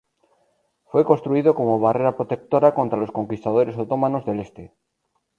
Fue construido como barrera protectora contra los conquistadores otomanos del Este.